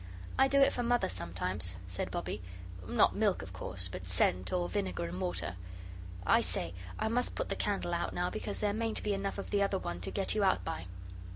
"I do it for Mother sometimes," said Bobbie "not milk, of course, but scent, or vinegar and water. I say, I must put the candle out now, because there mayn't be enough of the other one to get you out by."